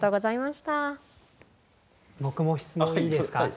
僕も質問いいですか？